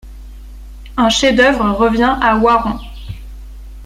Un chef-d'œuvre revient à Oiron.